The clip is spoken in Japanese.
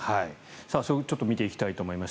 そこを見ていきたいと思います。